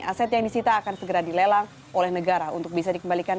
aset yang disita akan segera dilelang oleh negara untuk bisa dikembalikan